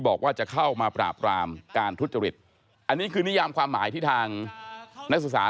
บอกว่าจะเข้ามาปราบรามการทุจริตอันนี้คือนิยามความหมายที่ทางนักศึกษา